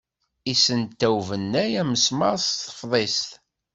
Yessenta ubennay amesmaṛ s tefḍist.